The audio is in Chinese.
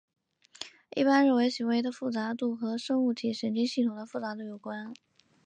一般认为行为的复杂度和生物体神经系统的复杂度有关。